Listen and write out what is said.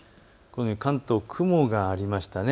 関東、雲がありましたね。